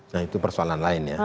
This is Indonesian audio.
nah itu persoalan lain ya